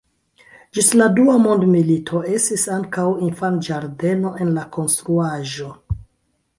Ĝis la Dua mondmilito estis ankaŭ infanĝardeno en la konstruaĵo.